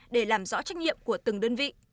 để làm rõ trách nhiệm của từng đơn vị